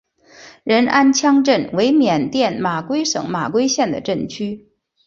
仁安羌镇为缅甸马圭省马圭县的镇区。